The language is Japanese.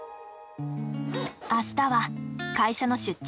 明日は会社の出張。